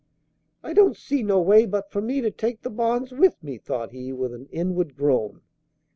"I don't see no way but for me to take the bonds with me," thought he, with an inward groan.